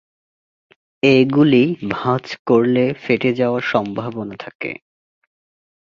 এগুলি ভাঁজ করলে ফেটে যাওয়ার সম্ভাবনা থাকে।